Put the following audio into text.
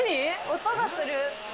音がする。